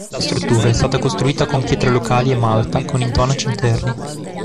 La struttura è stata costruita con pietre locali e malta con intonaci interni.